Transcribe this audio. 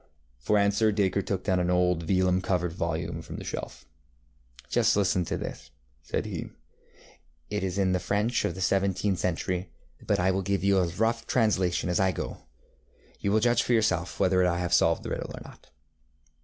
ŌĆØ For answer Dacre took down an old vellum covered volume from the shelf. ŌĆ£Just listen to this, ŌĆØ said he; ŌĆ£it is in the French of the seventeenth century, but I will give a rough translation as I go. You will judge for yourself whether I have solved the riddle or not.